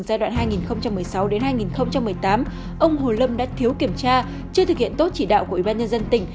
giai đoạn hai nghìn một mươi sáu hai nghìn một mươi tám ông hồ lâm đã thiếu kiểm tra chưa thực hiện tốt chỉ đạo của ủy ban nhân dân tỉnh